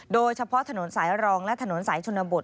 โดยเฉพาะถนนสายรองและถนนสายชนบท